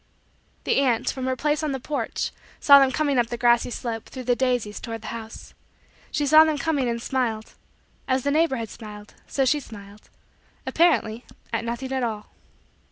The aunt, from her place on the porch, saw them coming up the grassy slope, through the daisies, toward the house. She saw them coming and smiled as the neighbor had smiled, so she smiled, apparently, at nothing at all.